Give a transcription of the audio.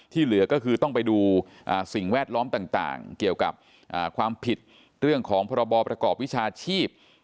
เหลือก็คือต้องไปดูสิ่งแวดล้อมต่างเกี่ยวกับความผิดเรื่องของพรบประกอบวิชาชีพ